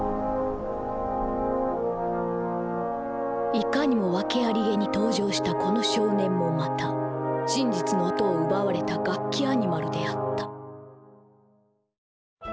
いかにもワケありげに登場したこの少年もまた真実の音を奪われたガッキアニマルであった。